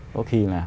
có khi là